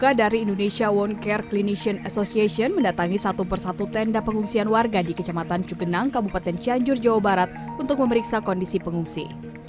warga dari indonesia wone care clinistion association mendatangi satu persatu tenda pengungsian warga di kecamatan cugenang kabupaten cianjur jawa barat untuk memeriksa kondisi pengungsi